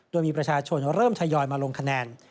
โดยมีประชาชนเริ่มทยอยมาลงคะแนน